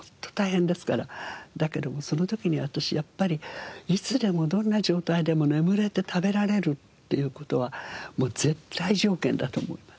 だけどもその時に私やっぱりいつでもどんな状態でも眠れて食べられるっていう事はもう絶対条件だと思います。